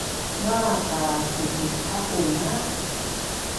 Maaq a kukut’aquna